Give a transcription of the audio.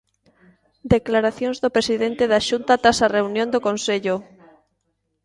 Declaracións do presidente da Xunta tras a reunión do Consello.